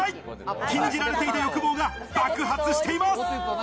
禁じられていた欲望が爆発しています。